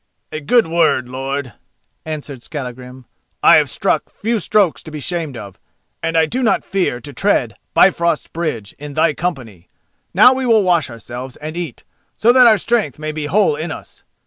"A good word, lord," answered Skallagrim: "I have struck few strokes to be shamed of, and I do not fear to tread Bifrost Bridge in thy company. Now we will wash ourselves and eat, so that our strength may be whole in us."